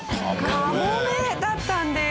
カモメだったんです。